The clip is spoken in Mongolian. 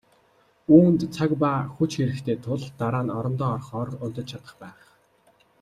Үүнд цаг ба хүч хэрэгтэй тул дараа нь орондоо орохоор унтаж чадах байх.